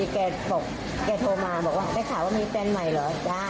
แกโทรมาบอกว่าแกขอว่ามีแฟนใหม่เหรอ